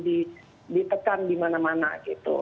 ditekan dimana mana gitu